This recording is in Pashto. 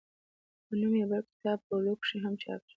پۀ نوم يو بل کتاب پۀ اردو کښې هم چاپ شو